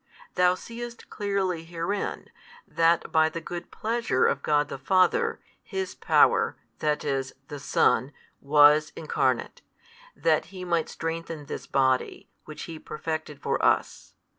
Thou seest clearly herein, that by the good Pleasure of God the Father, His Power, that is, the Son, was Incarnate, that He might strengthen this body, which He perfected for us.